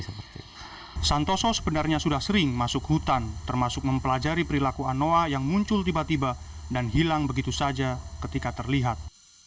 santoso sebenarnya sudah sering masuk hutan termasuk mempelajari perilaku anoa yang muncul tiba tiba dan hilang begitu saja ketika terlihat